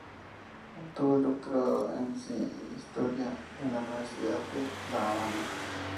Obtuvo el doctorado en Historia en la Universidad de La Habana.